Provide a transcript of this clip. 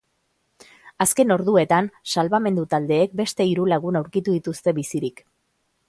Azken orduetan, salbamendu taldeek beste hiru lagun aurkitu dituzte bizirik.